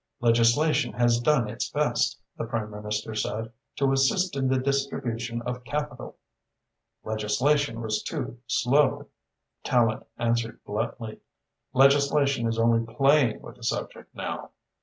"Legislation has done its best," the Prime Minister said, "to assist in the distribution of capital." "Legislation was too slow," Tallente answered bluntly. "Legislation is only playing with the subject now.